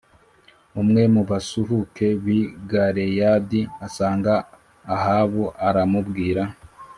umwe mu basuhuke b’i Galeyadi asanga Ahabu aramubwira